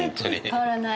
変わらない。